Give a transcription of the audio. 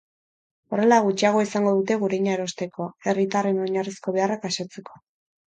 Horrela, gutxiago izango dute gurina erosteko, herritarren oinarrizko beharrak asetzeko.